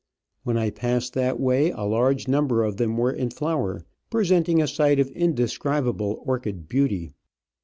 When I passed that way a large number of them were in flower, presenting a sight of indescribable orchid beauty.